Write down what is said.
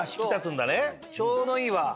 ちょうどいいわ。